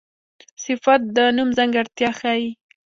صفت د نوم ځانګړتیا ښيي.